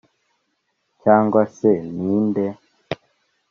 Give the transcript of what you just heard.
Cyangwa se ni nde